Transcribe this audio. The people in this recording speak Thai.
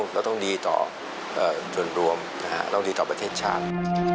เราต้องดีต่อส่วนรวมเราดีต่อประเทศชาติ